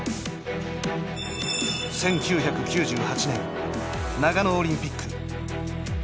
１９９８年長野オリンピック。